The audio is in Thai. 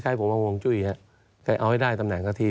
คล้ายผมเอาเพราะวงจุ้ยเขาให้ได้ตำแหน่งกระตี